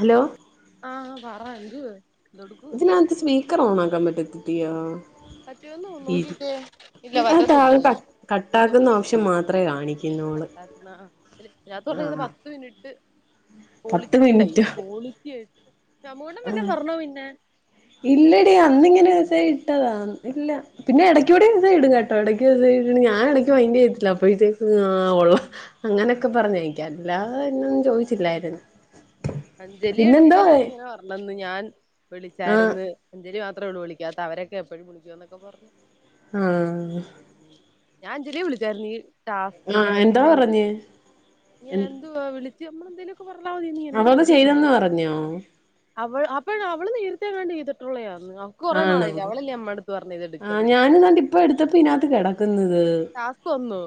Hello ആ പറ എന്തുവാ എന്തെടുക്കുവാ ഇതിനാത്ത് സ്പീ ക്കറോണാക്കാൻ പറ്റത്തില്ലയോ? പറ്റുവോന്നു ഇരി നോക്കിക്കേ? ഇല്ല ആ താഴെ പറ്റത്തില്ലെടി ക ഒന്നും കട്ടാക്കുന്ന ഓപ്ഷൻ മാത്രമേ കാണിക്കുന്നോള് കട്ടാക്കുന്ന ഞാനിപ്പോ തൊടങ്ങിയിട്ട് ആഹ് പത്തുമിനിറ്റ് പത്ത് ക്വാളിറ്റി ടൈം മിനിറ്റോ ക്വാളിറ്റി ഷമുവേട്ടൻ വല്ലോം പറഞ്ഞൊ പിന്നെ? ഇല്ലെടീ അന്നിങ്ങനെ മെസ്സേജി ട്ടതാണ് ഇല്ല പിന്നെ എടക്കൂടെ മെസ്സേജ് ഇടും കേ എടയ്ക്ക് മെസേജ് ചെയ്തിട്ടുണ്ടെങ്കി ഞാൻ ഇടയ്ക്കു മൈൻഡ് ചെയ്യത്തില്ല. അപ്പോഴേത്തേക് ആ കൊള്ളാം അങ്ങനെക്കെ പറഞ്ഞേ എല്ലാ [unintelligible] ചോയ്ച്ചില്ലാര്ന്നു അഞ്ജലി എട്ത്ത് ങ്ങനെ പർഞ്ഞെന്നു ഞാൻ ആഹ് വിളിച്ചാര്ന്ന് അഞ്ജലി ആ ത്രേഉള്ളു വിളിക്കാത്തെ അവരെക്കെ എപ്പഴും വിളിക്കുന്നൊക്കെ പറഞ്ഞു ആ ഞാ അഞ്ചലിയെ വിളിച്ചാര്ന്നു ഈ ടാസ്ക്കിന്റെ എന്താ കാര്യത്തിന് പറഞ്ഞേ എന്തുവാ വിളി [unintelligible] പ്പൊ പറഞ്ഞ മതി നീ എന്ന് പറ അവള് ചെയ്തെന്ന് പറഞ്ഞോ അവള് അപ്പഴ് അവള് നേരത്തെങ്ങാണ്ട് ചെയ്തിട്ടുള്ളയാ ആണോ ആ ഇതെടുക്കെന്നൊക്കെ ഞാനും കണ്ട് ഇപ്പ എടുത്തപ്പോ ഇതിനാത്ത് കെടക്കുന്നത് ടാസ്ക് വന്നോ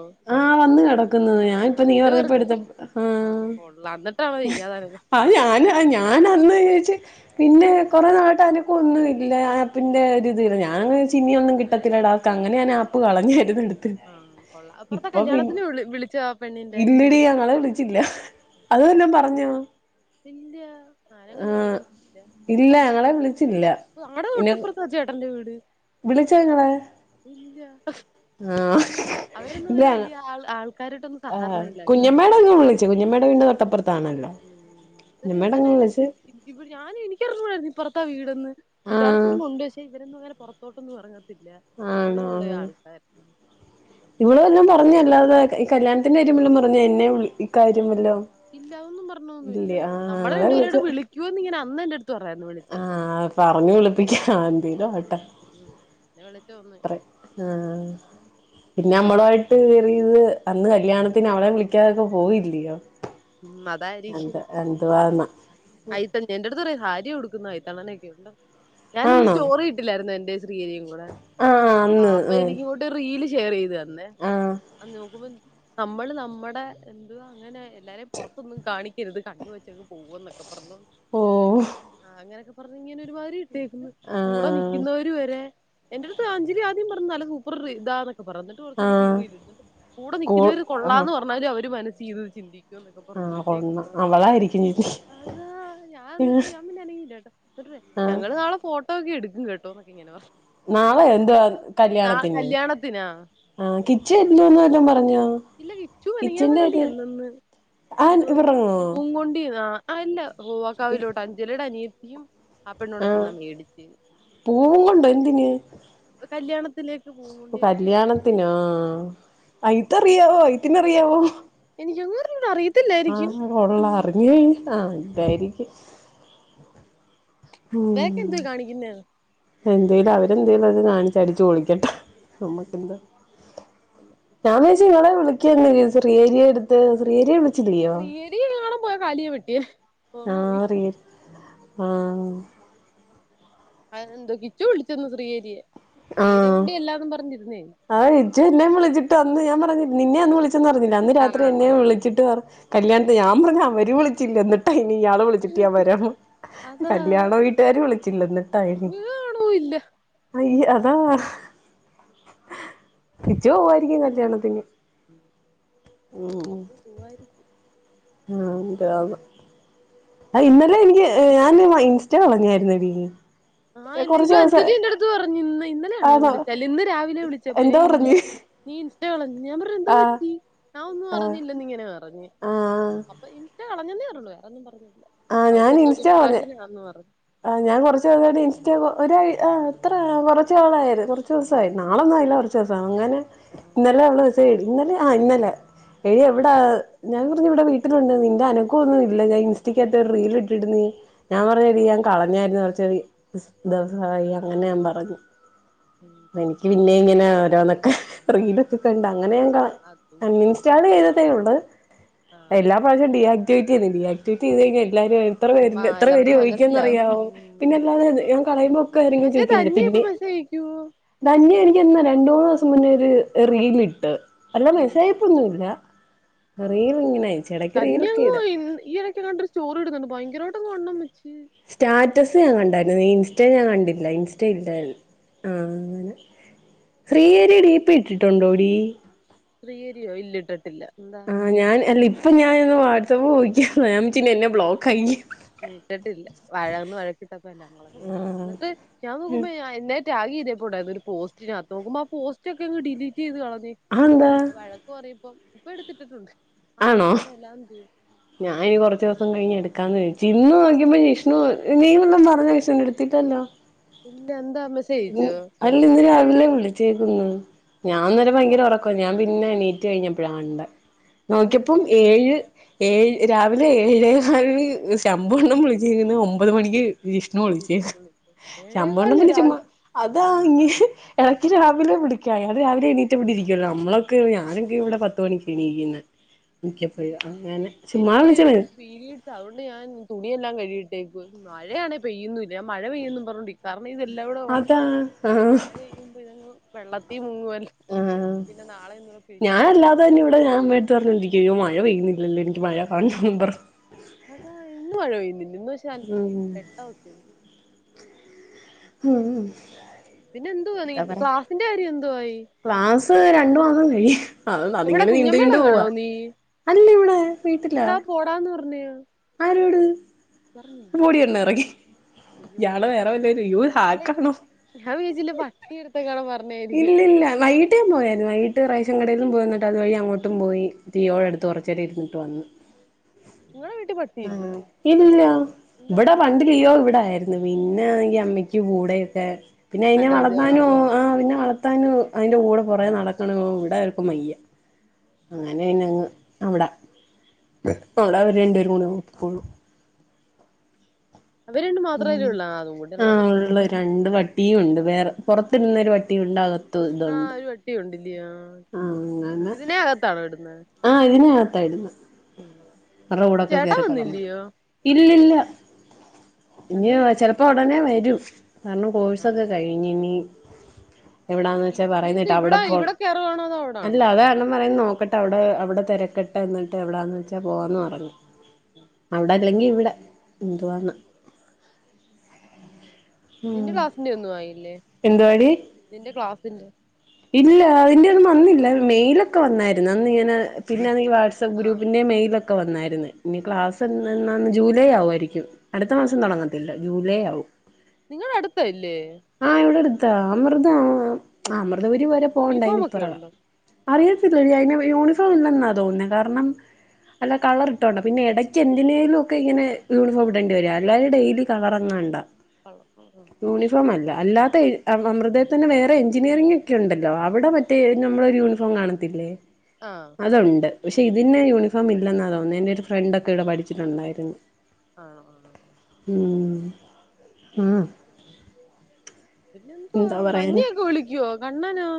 വന്ന് കെട ക്ക്ന്നത് ആഹ് ഞാനിപ്പ നീ രണ്ടു പറഞപ്പോ പേർക്കും എടുത്ത ആ ആഹ് കൊള്ളാം എന്നിട്ടാണോ ചെയ്യാതായത് അത് ഞാന് ആ ഞാൻ അന്ന് ചോദിച്ചച്ച് പിന്നെ കൊറെ നാട്ട അനക്ക് ഒന്നുംല്ല ഇല്ല ആപ്പിന്റെ ഒരു ഇതില്ല ഞാന ചിനിയ ഒന്നും കിട്ടത്തില്ല ഇടാർക്ക് അങ്ങനെഞാൻ ആപ്പ് കളഞ്ഞായിരുന്നു എ ആഹ് കൊള്ളാം അപ്പറത്തെ ഇപ്പൊ പി കല്യാണത്തിന് വിളി വിളിച്ചോ ആ പെണ്ണിന്റെ ഇല്ലടി ഞങ്ങളെ വിളിച്ചില്ല അത വെല്ലാം പറഞ്ഞോ ഇല്ല ആരെങ്ങും ആ ചോദിക്കാനും ഇല്ല ഞങ്ങളെ വിള ില്ല അഞമ്മടെ ഒട്ടിപ്പുറത്ത ചേട്ടന്റെ വീട് വിളിച്ച നിങ്ങളെ ഇല്ല ആ അവരൊന്നും അങ്ങനെ ഇല്ലങ്ങ വലിയ ആൾ ആൾക്കാരായിട്ടൊന്നും ആ സഹകരണം ഇല്ലാത്തവരാ കുഞ്ഞമേട അങ്ങെ വിളിച്ചേ കുഞ്ഞമേട വീണ്ട തൊട്ടപ്പുറത്താണല്ലോ ഉ ഇരി കുഞ്ഞമ്മേടെ അങ്ങ് അങ്ങനെ വിളിച്ച് ഇ ഞാൻ എനിക്കിറങ്ങമായി പുപ്പറത്തെ വീട്ന്ന് ആഹ് യഥാർത്ഥത്തിന്ന ഉണ്ട് പക്ഷേ ഇവരുംെ പുറത്തോട്ട് പറഞ്ഞ ആണോഹ ഇമ്മള് എല്ലാം പറഞ്ഞ അല്ലാതെ ഈ കല്യാണത്തിന്റെ കാര്രുല്ല അ എന്നെ വി ഇ കാര്യംമല്ലോ ഇല്ലന്നും പറഞ്ഞോൊന്നുമില്ലല്ല നമ്മള രണ്ടുേരോവിടെ വിളിക്കുവന്ന് ഇങ്ങനെ ഒന്ന ആഹ പറഞ്ഞു വിളിപ്പിക്ക എന്ന്തേലോ ട്ടെ ഉം പിന്നെ വിളിച്ചു ഒന്ന് അത്രേ ആഹ പിന്നെ നമ്മളയിട്ട് വറിയത് അന്ന് കല്യാണത്തിന് അവളെ വിളിക്കാതൊക്കെ പോവല്ലയോ ഉം അതായിരിക്കും തുാണ് ആയിത്ത ഞൻന്റെറടുത്ത്റ ഹാര്രിയ കൊടുക്കും ന്നയി തണനക്ക ഉണ്ടോ ഞാനൊന്നും ആണോ സ്റ്റോറി ഇട്ടില്ലായിരുന്നു എൻറെ ആഹ് അന്ന് ആഹ് ആഹ് [unintelligible] [unintelligible] [unintelligible] നമ്മള് നമ്മുടെ എന്തുവാ എങ്ങനെ എല്ലാരും പുറത്തു ഒന്നും കാണി ഇത് കണ്ണുവെച്ച് അങ്ങ് പോകുമെന്ന് [unintelligible] ഓഹ് അങ്ങനെ ഇങ്ങനെ ഒരുമാതിരി ഇട്ടേക്കുന്ന കൂടെ ആഹ് നിൽക്കുന്നവരെ എന്റെ അടുത്ത് അഞ്ജലി ആദ്യം പറഞ്ഞ സൂപ്പർ ഇതാ ആഹ് [unintelligible] കൂടെ കൂ നിൽക്കുന്നവര് കൊള്ളാമെന്നു പറഞ്ഞലും അവരും [unintelligible] ആ [unintelligible] അവളാരിക്കും ചേച്ചി അതാ ഞാൻ അന്നിട്ട് ഞാൻ പിന്നെ അനങ്ങിലാട്ടോ ന്ന്ട്ട് പറയാ ആഹ് ഞങ്ങള് നാളെ ഫോ അത് എടുക്കും കേട്ടോ എന്ന് ഇങ്ങനെ പറഞ്ഞു. ഞാൻ നാളെ പറഞ്ഞു നാ എന്തുവാ നാ കല്യാണത്തിന് കല്യാണത്തിനാ ആഹ് കിച്ചാ എന്തുവാന്ന് വല്ലോം പറഞ്ഞോ. ഇല്ല കിച്ചു മിനിഞ്ഞാന്ന് കിച്ചന്റെ എങ്ങാണ്ട് കാര്യം ചെന്നെന്ന്, ആഹ് എന്തോ ഇവരിറങ്ങോ പൂവും കൊണ്ട് ചെന്നോ, അല്ല [unintelligible] അഞ്ജലിയുടെ അനി അയ്യോ ആഹ് പോകുന്നുണ്ടോ എന്തിന് കല്യാണത്തിലേക്ക് ഓ പൂങ്കോണ്ടി ചെന്നു കല്യാണത്തിനോ. ഇത് അറിയാവോ ഇതിന് അറിയാവോ. എനിക്കൊന്ന് അറിഞ്ഞുകൂടാ. ആങ്ങളോടുള്ളതറിഞ്ഞ്. ആഹ് അതായിരിക്കും. ബാഗ് എന്തുവാ കാണിക്കുന്നേ. എന്തേലും അവരെന്തേലും കാണിച്ച് അടിച്ചു പൊളിക്കട്ടെ. നമുക്കെന്താ ഞാൻ വിചാ ച്ചു നിങ്ങള് വിളിക്കുമെന്ന് വിചാരിച്ചു ശ്രീഹരിയുടെ അടുത്ത് ശ്രീഹരിയെ വിളി ശ്രീഹരിയെ കാണാൻ പോയപ്പോ കാലിയ വെട്ടിയ അതുകൊണ്ട് പോയി. ആഹ് റീ ആഹ് അതെന്താ കിച്ചു വിളിച്ചന്ന് ശ്രീഹരിയെ. ശ്രീഹരിയെ കൊണ്ട് ചെല്ലാനെ പറഞ്ഞോണ്ട് ഇരുന്നേ. ജ്ജ് എന്നെ വിളിച്ചിട്ട് അന്ന് ഞാൻ പറഞ്ഞു നിന്നെ ഒന്ന് വിളി ച്ചെന്ന് പറഞ്ഞില്ലേ അന്ന് രാത്രി ആഹ് എന്നെ വിളിച്ചിട്ട് പറ് കല്യാണത്തിന് ഞാ പറഞ്ഞ് അവര് വിളിച്ചില്ല എന്നിട്ടേ- ഇ ഇയാള് വിളിച്ചിട്ടേ ഞ വര അതാ കല്യാണ വീട്ടുകാര് വിളിച് ചില്ലന്ന്- നീ ആണോ ഇല്ല- അയ്യ അതാ കിച്ചു പോവായിരിക്കും കല്യാണത്തിങ്- ഉ ഇന്ന് പോവായിരിക്കും - [inaudible] ആഹ ഇന്നെല്ലെ എനിക്ക് ഞാനല്ല- ഇൻസ്റ്റ കളഞ്ഞായിരരുന്നോടി നീ- ആഹ് എന്നയ്യൊ അഞ്ജലി എന്റെ അടുത്ത് പറഞ്ഞ്ന്ന്- ഇന്നലാണ ആണോ വിളിച്ച ഇന്ന് രാവിലെ വിളിച്ചപ്പോ എന്താ ഞൻ ഇതിന്റെ പറഞ്ഞ് നീ- ള [unintelligible] ഞാൻ പറഞ്ഞ എന്താ ആഹ് പറ്റി ഞാൻ ഒന്നും ആഹ് പറഞ്ഞില്ലന്ന് ഇങ്ങനെ പറഞ്ഞഞ് ആഹ് അപ്പൊ ഇ- പറഞ്ഞന്നേയുള്ളു വേറെ ഒന്നും പറഞ്ഞില്ല അവക്കെന്തോ ഡിപ്രഷനാണെന്ന് പറഞ്ഞു ആ് ഞാൻ കുറച്ച ദിവസമായിട്ട് ഇൻസ്റ്റഗ്ര ഒ ആ് അത്ര കുറച്ച ആളായി കുറച്ചു ദിവസയി നാളൊന്നും ആയില്ല കുറച്ച് ദിവസ അങ്ങനെ ഇന്നലെ അവൾ വിസ ഇന്നലെ ആ ഇന്നലെ എടി എവിടാ ഞാൻ പറഞ്ഞു ഇവിടെ വീട്ടിലുണ്ട് നിന്റെ അനുക്കവം ഒന്നും ഇില്ല ഞാൻ ഇൻസ്റ്റക്കകത്ത് ഒരു റീൽ ഇട്ടിന്ന് ഞാൻ പറഞ്ഞു, കളഞ്ഞായിരുന്നു കുറച്ചൊടി ദിവസമായി അങ്ങനെ ഞാൻ പറഞ്ഞു ആഹ് എനിക്ക് പിന്നെ ഇങ്ങനെ ഓരോന്ന് ഒക്കെ റീൽ ഒക്കെ കണ്ടോ അങ്ങനെ അതുകൊണ്ട് അൺഇൻസ്റ്റാൾ ചെയ്തതേ ഉള്ള ആഹ് എല്ലാ പ്രാവശ്യം ഡി ആക്ടിേ ഡി ആക്ടിവിറ്റ ചെയ്ത് കിഞ്ഞൽ ആയിട്ട് എല്ലാരും എത്ര ആഹ് പേര് എല്ലാർക്കും ചോദിക്കും മനസ്സിലാവും എന്ന് - ഉം പിന്നെല്ലാതെ ഞാൻ കളയുമ്പോ ഒക്കെ ഇറങ്ങ മറ്റേ ചോദിക്കണ്ട് ധന്യ ഇപ്പൊ പിന്നെ മെസ്സേജ് അയക്കുവോ ധന്യായിനിക്ക് രണ്ടൂന്ന്- രണ്ടു ദിവസം മുന്നേ ഒരു റീൽ ഇട്ട് അല്ലാ മെസ്സേജ് അയപ്പ് ഒന്നും ഇല്ല ആ കഞ്ഞി റീലൊക്കെ ഒന്നും ഇടും ആയില്ല ഈയിടക്കെ കണ്ടരു ചോറ് ഇടുന്നുണ്ട് ഭയങ്കര ആ വണ്ണം വച്ച് റീൽസ് ഞാൻ കണ്ടില്ല ഇനസ്റ്റ് - സ്ിൽഡൻ ആഹ അങ്ങനെ ശ്രീഹരി ഡിപി ഇട്ടിട്ടുണ്ടോ ടി ശ്രീഹരിയോ ഇല്ല ഇട്ടിട്ടില്ല എന്താ ആഹ് ഞാൻ അല്ല ഇപ്പം ഞാനിരന്ന് വാട്സ്ആപ്പ് നോക്കിയതാ ഞാൻ വിച്ച് എന്നെ ബ്ലോക്ക് ആക്കിന്ന് [unintelligible] ഇട്ടിട്ടില്ല ഞാൻ നോക്കുമ്പോ ആ എന്നെ ടാഗ് ചെയ്തെക്കോ ഒര് പോസ്റ്റ് അത് നോക്കുമ്പോ ആ പോസ്റ്റ്ക്കേ അങ്ങ് ഡിലി ചെയ്ത് കളെഞ്ഞേ അതെന്താ പിന്നെ വഴക്ക് പറയ് ഇപ്പം എട്ത്തിട്ടേണ്ട് അഹങ്കാരം അല്ലോ എന്തുവാ ഞാന് ഇനി കൊറച്ച് ദിവസം കഴീഞ്ഞ് എട്ക്കാന്ന് വി ഇന്ന് നോക്കിയപ്പോ ജിഷ്ണു നീയോന്നും പറഞ്ഞോംജിഷ്ൻ്റെയെടത്ത് ഇല്ലാലോ ഇല്ലാ എന്താ മെസ്സേജ് ആയച്ചോ എന്നേ വിളിച്ചോക്ക്ന്ന് ഞാൻ അന്നാരം ഒന്നും ഭയങ്കര പറഞ്ഞില്ല ഒറക്കാര്ന്ന് ഞാൻ പിന്നെ എണി റ്റ് കഴിഞ്ഞാപ്പാഴ കണ്ടേ- തിരിച്ചു നോക്കിപ്പം വിളിച്ച് ഏഴ് ഏഴ് രാവിലെ ഏഴെകാലിന് ശംബു അണ്ണാൻ വിളിച്ചോക്കന്ന് ഒൻപത് മണിക്ക് വിഷ്ണു വിളിച്ചെ ശംബു അണ്ണാൻ ഏഴേകാലിന് പിന്നെ ഒരു ചുമ്മാ ആവശ്യം അതാ ആഹ് ഇങ്ങ് [unintelligible] രാവിലെ വിളിക്കാ അയാള് രാവിലെ എണിറ്റ് ഇവടെ ഇരിക്കുവല്ല്യാ നമ്മളയെക്കേ ഞാനോ ഇവടെ പത്ത് മണിക്കാ എണിക്ക്ന്നേ മിക്കപ്പഴം അങ്ങ എനിക്ക് പിരിയ്‌ഡ്‌ ആ അതേണ്ട് ഞാൻ തുണിയെല്ലാം കഴി [unintelligible] മഴയാണേ പെയ്ന്നുല്ലാ ഞാൻ മഴ പെയ്ന്നും പറഞ്ഞേണ്ടി കറ അതാ ആഹ് [unintelligible] വെളളത്തി മുങ്ങു ആഹ് ആഹ് ഞാൻ അല്ലാതെ തന്നെ ഇവടെ ഞാൻ അമ്മടെത്ത് പറഞ്ഞി അയ്യോ മഴ പെയ്ന്നില്ലാലോ എനിക്ക് മഴ കാണണം എന്ന് പറഞ്ഞ് അതാ ഇന്ന് മഴ പെയ്യതില്ലാ ഇന്ന് പശെ നല്ല് ഉം വെട്ടോക്കെ ഉം പിന്നെ എന്തുവാ നീ എന്താ പറാ ക്ലാസിന്റെ കാര്യം എന്തുവായി ക്ലാസ് രണ്ട് മാസം കഴിയും അന്ന് എവിടെ അതങ്ങനെ നീണ്ട് നീണ്ട് പോവ, കുഞ്ഞമ്മേടെങ്ങാണോ നീ അല്ല് ഇവടെ വീട്ടിലാ പിന്നെടാ പോടാന്ന് പറഞ്ഞയോ ആരോട്? പറഞ്ഞില്ലേ ഞാൻ പോടിയെന്ന് വിചാരിച്ച് എറങ്ങി യാടെ വെറേ വല്ലോരും യ്യോ അല്ലെ ഹാക്കാണോ ഞാൻ വിചാരിച്ചില്ലാ പട്ടിടെത്താങ്ങ [unintelligible] ഇല്ലില്ലാ വൈകിട്ട് ഞാൻ പോയര്ന്ന് വൈകിട്ട് റൈ ചെങ്ങടെന്നും പോയന്ന്ട്ട് അത് വഴി അങ്ങോട്ടും പോയി. ആ ലിയോടെട്ത്ത് കൊർജെരെര്ക്കും വന്ന് നിങ്ങളെ വീട്ടിൽ ആ പട്ടിയില്ലേ ഇല്ലാ എന്താ ഇവടെ മേടിക്കാൻ പണ്ട് ലിയോ ഇവടായ് പിന്നെ ഈ അമ്മയ്ക്ക് കൂടെക്കെ പിന്നെ അയ്‌നെ അലർജി വളർത്താനും അങ്ങനെ ആളില്ല വളർത്താനും അയിന്റെ കൂടെ കൊറേ നടക്കണം ഇവടാർക്കും വയ്യ അങ്ങനെ അയ്നങ്ങ് അവടെ അവടെ അവര് രണ്ടുപേരും നോക്കിക്കോളും അവര് രണ്ടും ഉം മാത്രല്ലേ ഉള്ളൂ അതും കൂടെ ആ ഉള്ളപ്പോ ഉള്ള രണ്ട് പ ട്ടിയുണ്ട് വേറെ പൊർത്ത് നിന്നൊരു പട്ടി ണ്ടാകത്ത്തുണ്ട് ല്യോ ഇതിനെ അകത്താണോ ഇട്ന്നേ? ആ ഇതിനി അകത്തായിട്ന്നെ [unintelligible] കൂടെക്കെ ചേട്ടാ കേറി കടന്നു വന്നില്ലയോ ഇല്ലല്ല ഇനി എന്ന് വരും ചെിലപ്പോ ഉടനെ വൈ ഒരു കാരണം കോഴ്സൊക്കെ കാണാം കഴിഞ്ഞിന് എവിടാന്ന് വെച്ചാ നീ എന്ത് പറയുന്നിട്ട് അവിടെ ഇവിടെ പോണം ഇവിടെ കേറുവാണോ അതോ അല്ല അവിടാണോ അതാരണ്ണം പറയ നോ അവിടെവിടെ തിരെട്ട എന്നിട്ട് എവിടൊണന്ന് വെച്ചാൽ പോകയന്ന് പറഞ്ഞു ഉം അല്ലെങ്കിൽ ഇവിടെ എന്തുവാണ് നിന്റെ ക്ലാസിന്റെ ഒന്നും ആയില്ലേ എന്തവാടി എന്തുവാ ഇല്ല അതിന്റെ ഒന്നും വന്നില്ല മെയിലൊക്കെ വന്നായിരുന്നു അന്ന് ഇങ്ങനെ പിന്നെ വാട്സ്ആ് ആഹ് ഗ്രൂപ്പിന്റെ മെൽെ ക്കെ വന്നായിരുന്നു ഇനി ക്ലാസ്ന്ന് ജൂലൈ ആവുമായിരിക്കും അടുത്ത മാസം തുടങ്ങും ത്തില്ല ജൂലൈ ആവും നിങ്ങള അടുത്തല്ലേ ആ ഇവിടെ അമർത ആ അമൃതപൂരി പോരെ പോവണ്ട യൂണിഫോം അതിനി ഒക്കെ പിറക ഉണ്ടോ അറിയത്തില്ല അതിന് യൂണിഫോം ഇല്ലെന്നാാണ് തോന്നുന്നത് കാരണം അല്ല കളർ ഇട്ടൊണ്ട പിന്നെ ഇടയ്ക്ക് എന്തിനേലും ഒക്കെ ഇങ്ങനെ യൂണിഫോം ഇടേണ്ടി വരിക അല്ലാും ഡെയിലി കളർങ്ങേണ്ട പള ഉ ഉ ല്ല അല്ലാത്ത അമൃതയ തന്നെ വേറെ എഞ്ചിനീയറിംഗ ഒക്കെ ഉണ്ടല്ലോ അവിടെ മറ്റേ നമ്മളൊ ഒരു യൂണിഫോം കാണത്തില്ലേ ആഹ് അതോ അതുൊണ്ട് പക്ഷെ ഇത് നിന്നെ യൂണിഫോം ഇല്ലെന്ന തോന്നുന്നു എന്റെറെ ഒരു ഫ്രണ്ട് ഒക്കെ ഇവിടെ പഠിച്ചിട്ടുണ്ടായിരുന്നു ആണോ ആണോക്കെ ആ പിന്നെന്തുവാ മഞ്ഞയൊക്കെ വിളിക്കുവോ കണ്ണനോ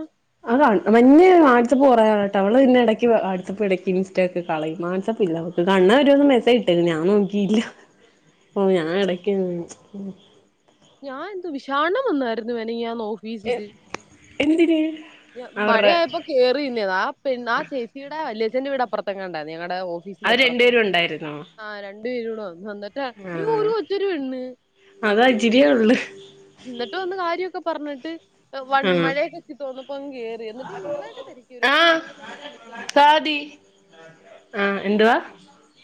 ആ മഞ്ഞ വാട്സ്ആപ്പ് കുറയ കേട്ടോ അവള് പിന്നെ ഇടയ്ക്ക് വാട്സആപ്പ് ഇടയ്ക്ക് ഇൻസ്റ്റ ഒക്കെ കളയും വാട്സപ്പ ഇല്ല അവക്ക് കണ്ണ ഒരുപസം മെസജ് ഇട്ട ഞാൻ നോക്കിയില്ല ഓ ഞാൻ ഇടയ്ക്ക് ഞാൻ എന്ത് വിഷാണം വന്നായിരുന്നുന ഓഫീസ്് എ എന്തിന് അവരുടെ മഴയപ്പോകേറിന്ന ആ ആ ചേച്ചിയുടെ വലിയ എന്റ വടപ്പറത്തങ്ങ ഉണ്ടായി ഞ ഓഫീസിന്റെ അവര് ഇപുറത്ത് ആ രണ്ടു [unintelligible] ആ ഒരു ഒരു കൊച്ചൊരു പെണ്ണ് അത് ആ ഇച്ചിരിയേ ഉള്ളു ന്നിട്ട് വന്ന് കാര്യൊക്കെ പറഞ്ഞിട്ട് വൺ ആഹ് മഴയൊക്കൊ ത്തിരി തോർന്നപ്പോ കേറി എന്നിട്ട് നിങ്ങളൊക്കെ ധരിക്ക്ണ ആഹ് നമ്മളെയൊക്ക [unintelligible] വിളിക്കാന്ന് സാദി ആഹ് [unintelligible] എന്തുവാ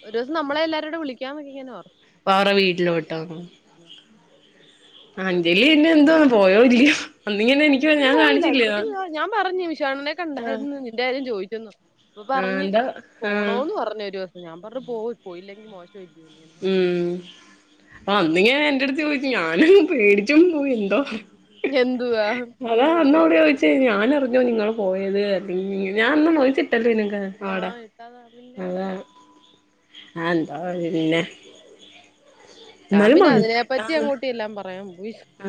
ഒരോസം നമ്മളെ എല്ലാരൂടെ വിളിക്കാ ന്നൊക്കെങ്ങനെ ഓറ്ത്ത് വേറെ വീട്ടിലോട്ടൊ അഞ്ജലി പിന്നെന്തോ പോയോ ഇല്ലയോ അന്നിങ്ങനെ എനിക്ക് അഞ്ജലി ഞാൻ പോയില്ല കാണിച്ചില്ലേ അഞ്ജലി ആഹ് ഞ ഞാൻ പറഞ്ഞ് ചേട്ടനെ കണ്ടായിരുന്നു നിന്റെ കാര്യം ചോ ചെന്നു ഇപ്പൊ ആഹ് പറഞ്ഞ് എന്താ ആഹ് പോണോന്ന് പറഞ്ഞു ഒരൊ ഞാൻ പറഞ്ഞു പോ പോയില്ലെങ്കിൽ മോ ഉം ആ അന്നിങ്ങെ എടുത്ത് ചോയിച്ചിനോ പേടിച്ചും പോയി എന്തോ എന്തുവാ അതാ നമ്മള് വിളിക്കാത്ത അന്നവിടെ ചോയിച്ചേ ഞാനറിഞ്ഞോ നിങ്ങളും പോയത് അങ്ങനെ ഞാനന്ന് മോഹിച്ചിട്ട് ആടാ ആഹ് ഇട്ടാതാ പിന്നെ അതാണ് ആ എന്താ പിന്നെ ഞാൻ എന്നാലും പിന്നെ മണി ആ അതിനെപ്പറ്റി അങ്ങോട്ടി എല്ലാം പറയാം ആ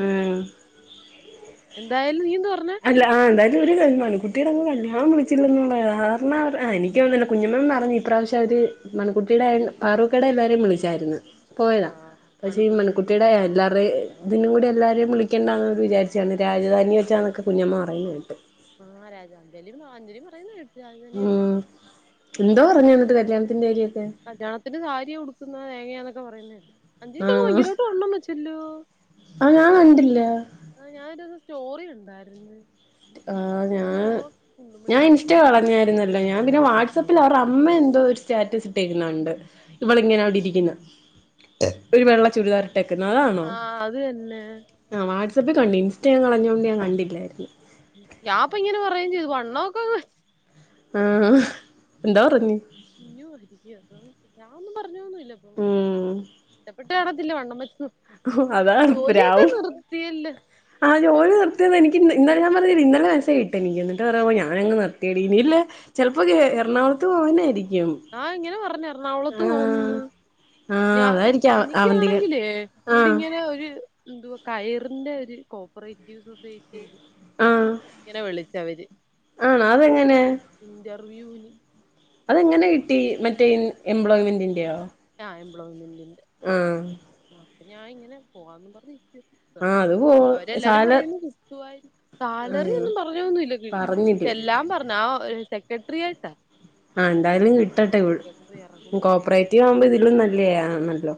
എന്തായാലും യും അല്ല ആഹ് എന്താ ഒരു കാര്യംവാണം മണിക്കുട്ടീടെ അമ്മ കല്യാണം വിളിച്ചില്ലന്നുള്ളത് കാരണം അവര് എനിക്കതൊന്നല്ല കുഞ്ഞുമ്മന്ന് അറിഞ്ഞില്ല ഇപ്രാവശ്യം അവര് മൺകുട്ടിയുടെ പാറുക്കേടെ എല്ലാരെയും വിളിച്ചായിരുന്നു പോയതാ ആഹ് പക്ഷേ ഈ മണിക്കൂട്ടി മണിക്കുട്ടീടെ എല്ലാ അതെ ഇതിനൂടെ എല്ലാരേം വിളികണ്ടാന്ന് വിചാരിച്ച് കാണും രാജധാനിയിൽ വച്ചാണ് ക കുഞ്ഞമ്മ പറയുന്ന കേട്ട് ആ രാജധാനിയില് വല്ല്യമ്മയും അഞ്ജലിയും പറയുന്ന കേട്ട് രാജധാനിയില് വെച്ചാ ഉം [unintelligible] എന്നിട്ട് കല്യാണത്തിൻ്റെര് കല്യാണത്തിന് സാരിയാ ഉടുകുന്നേ തേങ്ങയാന്നൊ ക്കെ പറയുന്ന കേട്ടു ആ അഞ്ജലിക്കാക്കെ ഭയങ്കരായിട്ട് വണ്ണം വച്ചല്ലൊ ആ ഇണ്ടല്ലാ സ്റ്റോറിയിണ്ടായ്‌ര്ന്ന് ആ ഞാന് ഞാ ഇൻസ്റ്റ കളഞ്ഞായിര്ന്നെല്ലാ ഞാൻ പിന്നെ ആഹ് വാട്സപ്പിൽ ശരി അവർടെ അമ്മ എന്തോര് സ്റ്റാറ്റസ് ഇട്ടേകുന്ന കണ്ട് ഇവൾ ഇങ്ങനെ അവിടെ ഇരിക്കുന്ന് ഒരു വെള്ള ചുരിദാർ ഇട്ടേകുന്ന് അതാണോ ആഹ് അത് തന്നെ ആ വാട് ട്സപ്പിൽ കണ്ട് ഇൻസ്റ്റ ഞാൻ കളഞ്ഞോണ്ട് ഞാൻ കണ്ടില്ലാര്ന്ന് ഞാൻ ഇപ്പൊ ഇങ്ങനെ പറയേം ചെയ്ത് വണ്ണം ഒക്കെ വെ [unintelligible] എന്തോ പറഞ്ഞ് ഞാൻ ഒന്നും പറഞ്ഞോന്നുമില്ല ഉം ഇഷ്ടപ്പെട്ട് കാണത്തില്ല വണ്ണം വെച്ചു ഹോഅതാണ് പ്രാവും ഓൾ നിർത്തിത് എനിക് ഇന്നലെ ഞാൻ പറഞ്ഞില്ലേ ഇന്നലെ മെസ്സേജ് ഇട്ട് എനിക് എന്ന്ട്ട് പറയുവാ ഓ ഞാൻ നിർത്തിയടി വീട്ടിൽ ചെലപ്പൊ എറണാകുളത്ത് പോവനാരിക്കും ആഹ് ഇങ്ങനെ പറഞ്ഞ് എറണാകുളത് പോന്നന്ന് ആ [unintelligible] അതായിരിക്കാം എനിക്ക് അവന്തിക ആണങ്കിലെ ആ ഇവിടിങ്ങനെ ഒരു എന്തുവാ കയറിൻ്റെ ഒരു കോപ്പറേറ്റീവ് സൊസൈറ്റ [unintelligible] ആ ഇങ്ങനെ വിളി ഇത് അവരെ ആണോ അതെങ്ങനെ ഇൻ്റർവൃൂന് അതെങ്ങനെ കിട്ടി മറ്റെ എംബ്ലോയിമെൻ്റിൻ്റെയോ ആ എംബ്ലോയ്മെൻ്റ് ആഹ് ഞാൻ ഇങ്ങനെ പോവാന്നും പറഞ്ഞി ആ [unintelligible] അത് പോ അവരെല്ലാരും സാല പറയുന്നത് കിട്ടുവായിരിക്കും. സാലറി ആഹ് ഒന്നും പറഞ്ഞോന്നുവില്ലന്ന് പറഞ്ഞില്ലേ ചെയ്യാൻ പറഞ്ഞ് ആ ഒര് സെ ക്രട്ടറിയായിട്ട. ആ എന്തായാലും കിട്ടട്ടെ ഇറങ്ങുമ്പോ കോപ്പറേറ്റിവാകുമ്പ ഇതി തിലും നല്ലെ ആന്നല്ലോ.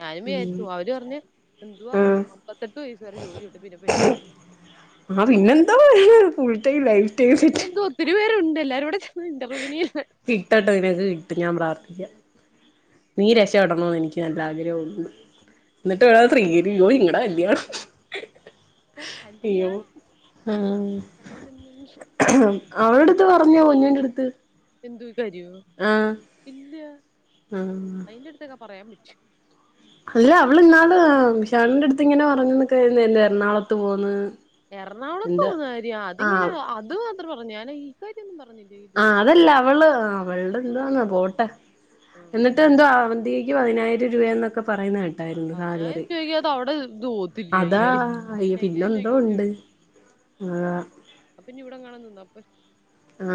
ഞാനും വിചാരിച്ചു അവര് പറഞ്ഞ് എന്തുവാ ആഹ് അമ്പത്തെട്ട് വയസ്സ് വരെ ജോലിയുണ്ട് പിന്നെ പെൻഷനും. ആഹ് പിന്നെന്തോ full time life time set അതിനെന്തുവാ ഒത്തിരി പേരുണ്ട് എ ല്ലാരൂടെ ചേർന്ന് ഇന്റർവ്യൂവിന് ചെല്ലാൻ കിട്ടട്ടെ നിനക്ക് കിട്ടും ഞാൻ പ്രാർത്ഥിക്കാം. നീ രക്ഷപെടണമെന്ന് എനിക്ക് നല്ല ആഗ്രഹവൊണ്ട് എന്നിട്ട് വേണം [unintelligible] [unintelligible] [unintelligible] അയ്യോ കല്യാണം [unintelligible] ആഹ് ആയിരുന്നെങ്കിൽ [unintelligible] പറഞ്ഞോ പൊന്നൂന്റടുത്ത് എന്ത്‌? കാര്യോ ഇല്ല ആഹ് അതിന്റടുത്തക്ക പറയാൻ പറ്റോ അല്ല അവൾ ഇന്നാള് വിശാലിന്റെയടുത്ത് ഇങ്ങനെ പറഞ്ഞന്നൊക്കെ അല്ലെ എർണാളത്ത് പോകുന്ന് എർണാകുളത്ത് പോകുന്ന കാര്യം അതിങ്ങനെ ആഹ് അത് [unintelligible] പറഞ്ഞ് ഞാൻ ഈ കാര്യൊന്നും പറ ആ അതല്ല അവള് അവള് എന്ത്വവാന്നോ പോട്ടെ ആഹ് എന്നിട്ട് എന്തുവാ അവന്തികയ് ക്ക് പതിനായിരം രൂപയെന്നൊക്കെ പറയുന്ന കേ പതിനായിരം രൂപയ്ക്ക് അത് അവടെ ഇത് പോവത്തില്ലിയോ അതാ അയ്യായി അയ്യോ അയ്യായിരം പിന്നെന്തോ രൂപയ്ക്കൊക്കെ ഉണ്ട് ഉള്ളൂ. ആഹ് അപ്പോ പിന്നെ ഇവിടെങ്ങാനം നിന്നാ പോരെ? ആ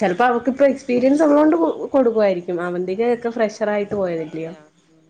ചിലപ്പം അവൾക്ക് ഇപ്പോ എക്സ്പീരിയൻസ് ഉള്ളോണ്ട് കൊടുക്കുവായിരിക്കും അവന്തികയൊക്കെ ഫ്രഷ് ഹെൽപ്റായിട്ട് പോയതല്ലിയോ ശരിയാ ഉം